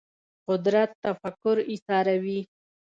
قدرت تفکر ایساروي